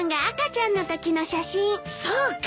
そうか！